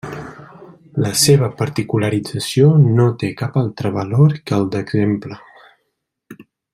La seva particularització no té cap altre valor que el d'exemple.